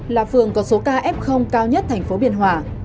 là phường có số ca f cao nhất thành phố biên hòa